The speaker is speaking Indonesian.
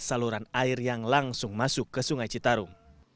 saluran air yang langsung masuk ke sungai citarum